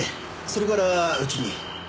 それからうちに。